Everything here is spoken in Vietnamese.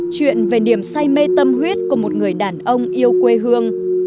chuyện về niềm say mê tâm huyết của một người đàn ông yêu quê hương